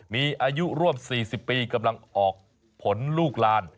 มีอายุร่วม๔๐ปีกำลังออกผลลูกลาน